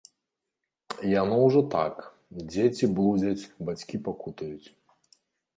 Яно ўжо так, дзеці блудзяць, бацькі пакутуюць.